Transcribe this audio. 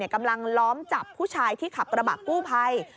กำลังล้อมจับผู้ชายที่ขับกระบะกู้ภัย